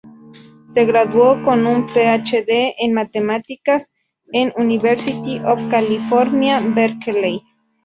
Se graduó con un PhD en Matemáticas en University of California, Berkeley.